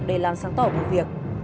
để làm sáng tỏ cuộc việc